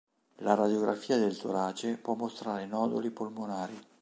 La radiografia del torace può mostrare noduli polmonari.